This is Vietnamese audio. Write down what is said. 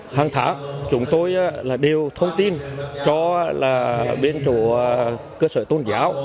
hàng tháng chúng tôi đều thông tin cho bên chỗ cơ sở tôn giáo